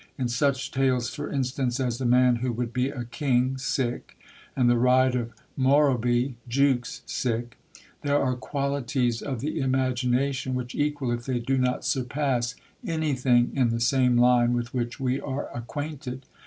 In such tales, for instance, as 'The Man who would be a King' and 'The Ride of Morrowby Jukes' there are qualities of the imagination which equal, if they do not surpass, anything in the same line with which we are acquainted....